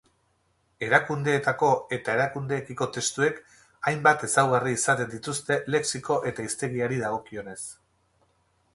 Erakundeetako eta erakundeekiko testuek hainbat ezaugarri izaten dituzte lexiko edo hiztegiari dagokionez.